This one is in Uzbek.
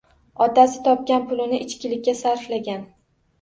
Otasi topgan pulini ichkilikka sarflagan.